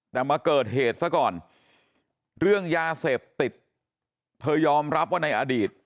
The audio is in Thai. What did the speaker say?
แต่มาเกิดเหตุซะก่อนเรื่องยาเสพติดเธอยอมรับว่าในอดีต